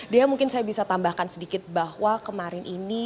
dea mungkin saya bisa tambahkan sedikit bahwa kemarin ini